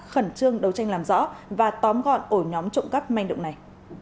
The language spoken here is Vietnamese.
khẩn trương đấu tranh làm rõ và tóm gọn ổ nhóm trộm cắp máy